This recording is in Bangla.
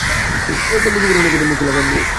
এখান থেকে বেরানোর পরই মুখে লাগাম দেবো।